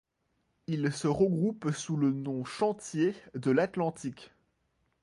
Ils se regroupent sous le nom Chantiers de l'Atlantique.